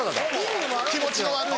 気持ちの悪い。